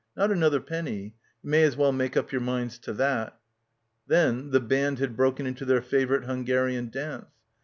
Nor another penny. You may as well make up your minds to that." Then the band had broken into their favourite Hungarian dance.